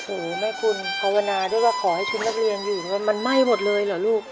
โอ้โหแม่คุณภาวนาด้วยว่าขอให้คุณนักเรียนอยู่มันไหม้หมดเลยเหรอลูก